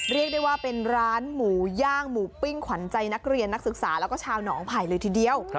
เรียกได้ว่าเป็นร้านหมูย่างหมูปิ้งขวัญใจนักเรียนนักศึกษาแล้วก็ชาวหนองไผ่เลยทีเดียว